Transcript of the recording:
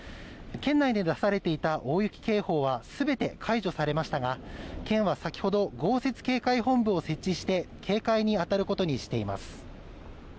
県内で出されていた大雪警報はすべて解除されましたが県は先ほど豪雪警戒本部を設置して警戒にあたることにしています